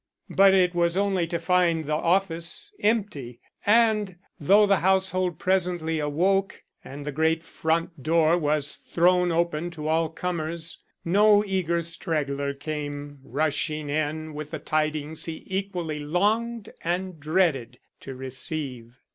But it was only to find the office empty, and though the household presently awoke and the great front door was thrown open to all comers, no eager straggler came rushing in with the tidings he equally longed and dreaded to receive.